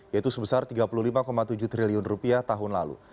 yaitu sebesar rp tiga puluh lima tujuh triliun rupiah tahun lalu